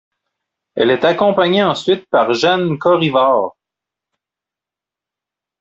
Elle est accompagnée ensuite par Jeanne Korevaar.